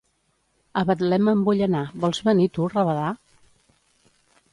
A Betlem me'n vull anar, vols venir tu, rabadà?